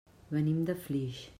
Venim de Flix.